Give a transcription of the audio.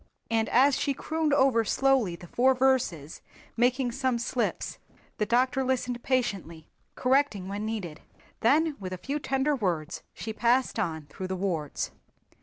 And as she crooned over slowly the four verses making some slips the doctor listened patiently, correcting when needed. Then with a few tender words she passed on through the wards.